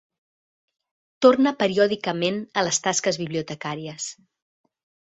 Torna periòdicament a les tasques bibliotecàries.